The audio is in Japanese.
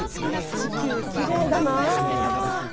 地球きれいだなあ。